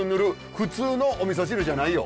普通のおみそ汁じゃないよ。